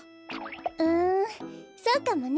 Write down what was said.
うんそうかもね。